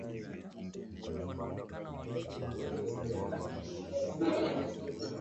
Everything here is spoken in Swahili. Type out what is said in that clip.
kwa kusudi la kuzuia upanuzi wa Ufaransa Hivyo zilitokea maeneo